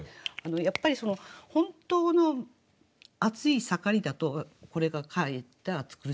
やっぱり本当の暑い盛りだとこれがかえって暑苦しく感じると。